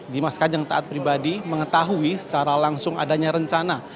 dimas kanjeng taat pribadi mengetahui secara langsung adanya rencana